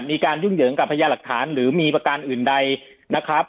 ยุ่งเหยิงกับพญาหลักฐานหรือมีประการอื่นใดนะครับ